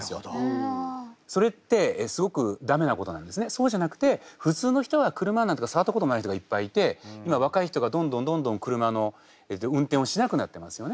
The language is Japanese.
そうじゃなくて普通の人は車なんて触ったことない人がいっぱいいて今若い人がどんどんどんどん車の運転をしなくなってますよね。